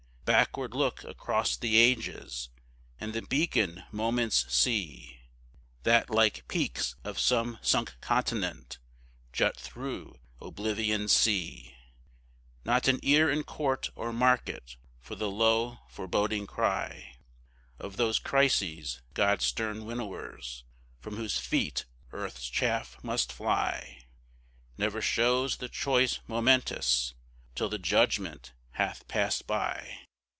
Backward look across the ages and the beacon moments see, That, like peaks of some sunk continent, jut through Oblivion's sea; Not an ear in court or market for the low foreboding cry Of those Crises, God's stern winnowers, from whose feet earth's chaff must fly; Never shows the choice momentous till the judgment hath passed by.